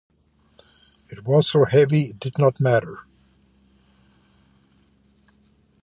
It was so heavy it did not matter.